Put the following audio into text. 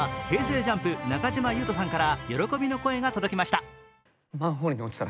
ＪＵＭＰ・中島裕翔さんから喜びの声が届きました。